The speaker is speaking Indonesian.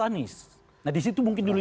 anies nah disitu mungkin dulu